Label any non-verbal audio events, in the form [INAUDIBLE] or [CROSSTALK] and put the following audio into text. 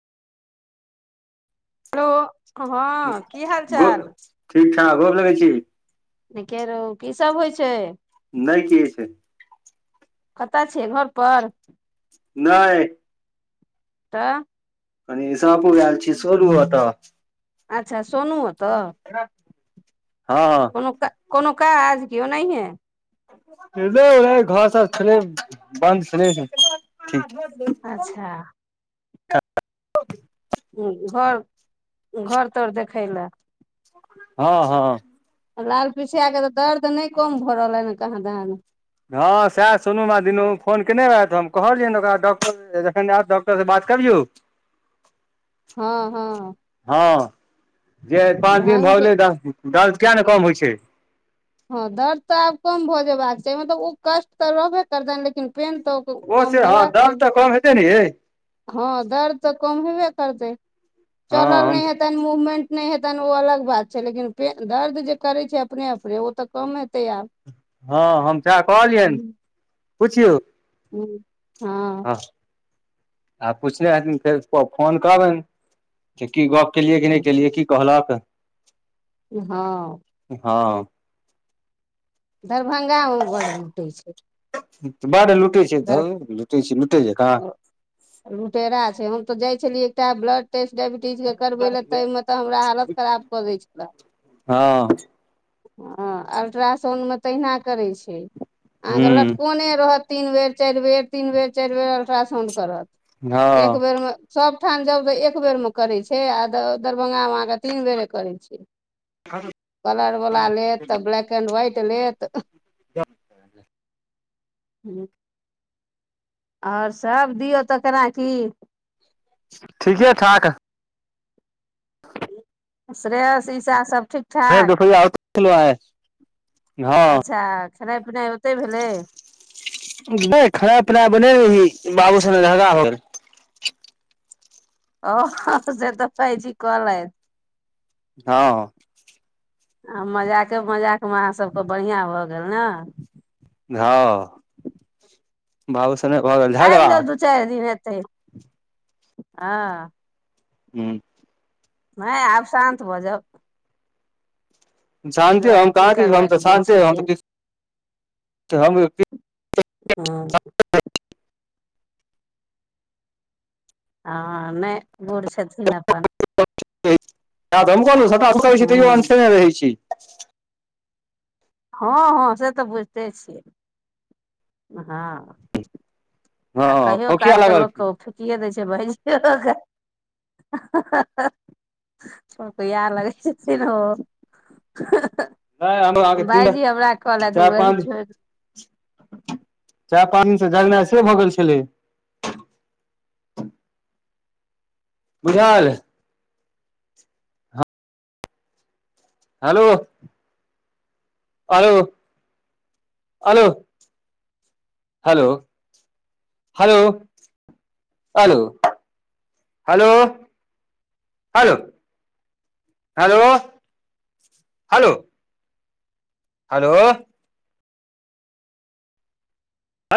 Hello हँ की हाल गो चाल? ठीक ठाक गोर लगै छी। निके रहू की सब होइ छै। नहि किछ। कतय छियै घर पर। नै। तऽ कनि ईसहपूर येल छी सोरू ओतऽ। अच्छा सोनू ओतऽ हँ कोनो का कोनो काज कि ओनहिए। नहि -नहि घर सब छलै बन्द छलै ने ठीक। अच्छा हूं घर-घर -तर देखै लै। हँ- हँ लाल पिसिया के तऽ दर्द नहि कम भऽ रहलैन ए कहाँ दन। हँ सएह सोनू मा दिनू फोन केने रहैत, हम कहलियैन ओकरा डॉक्टर ज जखन ऐत त ओकरा स बात करियौ। हँ-हँ- हँ जे पाँच दिन ढंग भऽ से गेलै दस दिन, दर्द किऐ ने कम होइ छै। हँ दर्द तऽ आब कम भऽ जेयबाक चाही, मतलब ओ कष्ट तऽ रहबे करतैन लेकिन पेन तऽ ओ कम से हँ हेबाक दर्द चाही तऽ कम हेते ने यैं। हँ दर्द तऽ कम हेबे करतै हँ चलल हम नहि हेत तनि मूवमेंट नहि हेतनि ओ अलग बात छै, लेकिने दर्द जे करे छै अपने-अपने ओ तऽ कम हेत तैय आब। हँ हम सैह कहलियनि पुछियौ। हम्म हँ आ पुछने हेथिन, फेर फो फोन करबनि। के की गप केलियै कि नहि केलियै की कहलक। हँ हँ दरभंगा मे बड्ड लूटै छै। बड लूटै छै, धौ लुटै छै लूटै जकां लुटेरा छै, हम तऽ जाइ छलियै एकटा ब्लड टेस्ट डाइबि टीज के करबै ल, तय में त हमरा हालत खराब कऽ दै छलै। हँ हँ अल्ट्रासाउण्डमे तहिना करै छै, अहाँ क हुँ लटकोने रहत तीन बेर, चारि बेर, तीन बेर, चारि बेर अल्ट्रासाउंड करत हँ एक बेरम सबठाम जाऊ तऽ एक बेर में करे छै, आ द दरभंगा मे अहां क तीन बेरे करै छय, कलरवला लेत, तऽ ब्लैक एंड व्हाइट लेत। जौं [UNINTELLIGIBLE] आओर सब दियौ तऽ ओकरा की ठीके ठाक। [UNINTELLIGIBLE] श्रेयस ईसा सब ठीक। भेट ठाक दुपैया ओतै आइ हँ अच्छा खेनाइ-पिनाइ ओतै भेलै। गै खाय पिनाय बनेने रहियै, की बाब सने झगड़ा भ गेलै। [UNINTELLIGIBLE] आ व हँ से तऽ भाई जी कहलैथ। हँ -हँ आ मजाके-मजाकमे अहाँसबके बढ़ियां भऽ गेल ने। हँ बाबू सने भऽ गेल झगङा़। चार दिन हेतै। हँ हूँ हय आब शान्त भऽ जाउ। हम एहि शान्ते, हम दुआरे की कहाँ किछ, हम तऽ करबनि बूढ़ शान्ते हम तऽ छथिन किछ हम त किछ हँ हँ नहि बूढ़ छथिन अपन से त हमहु कहलों, सबटा अथि हँ करय छी तयों अनठियेने रहै छी। हँ -हँं से तऽ बुझिते छिय। हां आ हँ कहियो खोखिया कालके लागल छी लोकके ओ फूटिये दै छै भैजियओ के प प्यार लगै छथिन ओ नहि हम अहाँके तीन भायजी हमरा कहलेत हम चारि कहलियनि पाँच छो चाय पानी स जगनाइ से भऽ गेल छलै। बुझल hello hello hello hello hello hello hello hello hello hello हलो